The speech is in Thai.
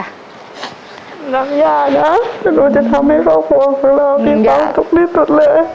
รักย่านะแต่หนูจะทำให้ครอบครัวของเรามีความทุกข์ที่สุดเลย